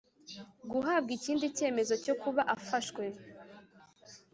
guhabwa ikindi cyemezo cyo kuba afashwe